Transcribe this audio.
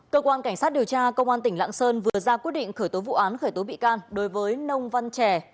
cơ quan cảnh sát điều tra công an tỉnh lạng sơn vừa ra quyết định khởi tố vụ án khởi tố bị can đối với nông văn trẻ